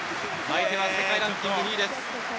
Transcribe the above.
相手は世界ランキング２位です。